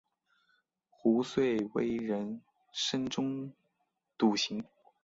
壶遂为人深中笃行。